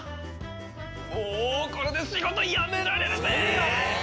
もうこれで仕事辞められるぜ！